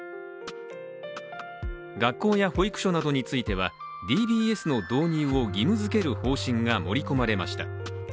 学校や保育所などについてはＤＢＳの導入を義務づける方針が盛り込まれました。